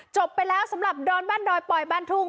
จบไปแล้วสำหรับดอนบ้านดอยปอยบ้านทุ่ง